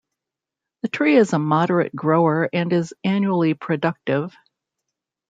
The tree is a moderate grower and is annually productive.